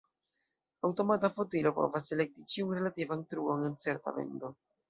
Aŭtomata fotilo povas elekti ĉiun relativan truon en certa bendo.